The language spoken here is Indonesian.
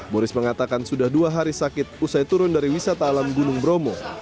boris mengatakan sudah dua hari sakit usai turun dari wisata alam gunung bromo